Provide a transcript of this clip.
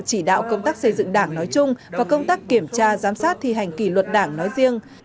chỉ đạo công tác xây dựng đảng nói chung và công tác kiểm tra giám sát thi hành kỷ luật đảng nói riêng